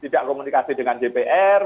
tidak komunikasi dengan jpr